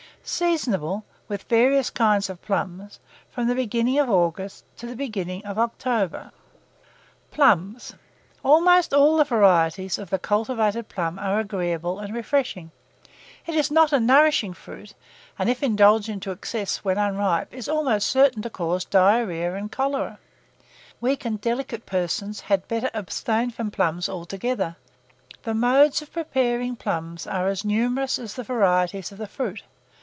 Seasonable, with various kinds of plums, from the beginning of August to the beginning of October. [Illustration: PLUM.] PLUMS. Almost all the varieties of the cultivated plum are agreeable and refreshing: it is not a nourishing fruit, and if indulged in to excess, when unripe, is almost certain to cause diarrhoea and cholera. Weak and delicate persons had better abstain from plums altogether. The modes of preparing plums are as numerous as the varieties of the fruit.